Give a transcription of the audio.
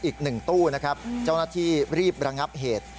อีก๑ตู้นะครับเจ้าหน้าที่รีบระงับเหตุ